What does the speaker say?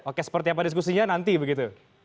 oke seperti apa diskusinya nanti begitu